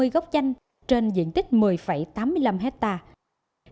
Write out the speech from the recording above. sáu trăm năm mươi gốc chanh trên diện tích một mươi tám mươi năm hectare